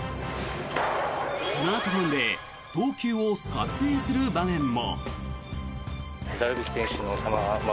スマートフォンで投球を撮影する場面も。